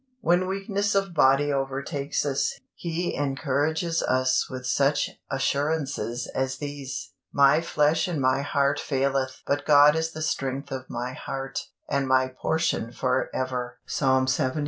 When weakness of body overtakes us, He encourages us with such assurances as these: "My flesh and my heart faileth; but God is the strength of my heart, and my portion for ever" (Psalm lxxiii.